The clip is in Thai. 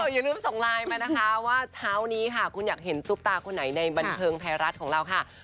อย่าลืมส่งไลน์มานะคะว่าเช้านี้ค่ะคุณอยากเห็นซุปตาคนไหนในบันเทิงไทยรัฐของเราค่ะ